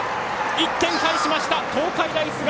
１点返しました、東海大菅生。